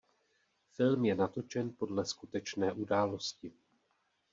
Film je natočen podle skutečné události.